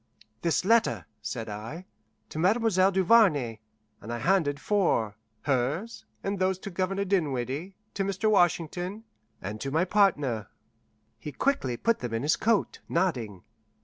"This letter," said I, "to Mademoiselle Duvarney," and I handed four: hers, and those to Governor Dinwiddie, to Mr. Washington, and to my partner. He quickly put them in his coat, nodding.